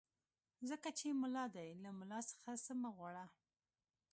ځکه چې ملا دی له ملا څخه څه مه غواړه.